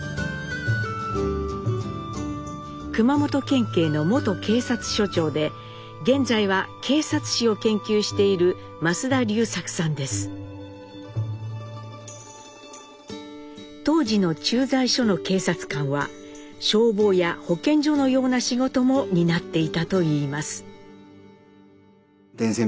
熊本県警の元警察署長で現在は警察史を研究している当時の駐在所の警察官は消防や保健所のような仕事も担っていたといいます。